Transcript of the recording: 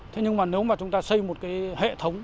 thế nhưng mà nếu mà chúng ta xây một cái hệ thống